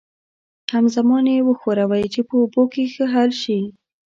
همزمان یې وښورئ چې په اوبو کې ښه حل شي.